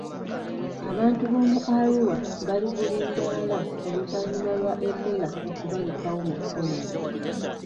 Abantu b'omu Arua bali bulindaala oluvannyuma lwa Ebola okubalukawo mu Congo.